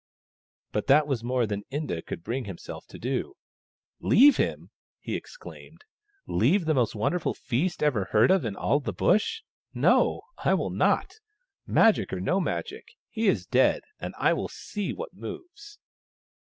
But that was more than Inda could bring himself to do. " Leave him !" he exclaimed. " Leave the most wonderful feast ever heard of in all the Bush ! No, I will not. Magic or no Magic, he is dead, and I will see what moves."